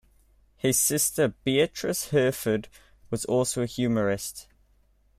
His sister Beatrice Herford was also a humorist.